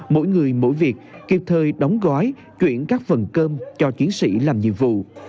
mỗi người mỗi việc kịp thời đóng gói chuyển các phần cơm cho chiến sĩ làm nhiệm vụ